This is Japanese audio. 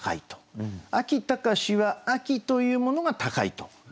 「秋高し」は秋というものが高いと。